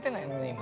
今。